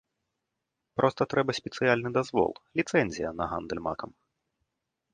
Проста трэба спецыяльны дазвол, ліцэнзія на гандаль макам.